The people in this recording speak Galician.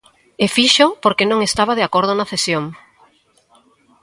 E fíxoo porque non estaba de acordo na cesión.